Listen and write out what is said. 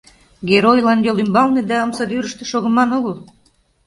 Геройлан йолӱмбалне да омсадӱрыштӧ шогыман огыл.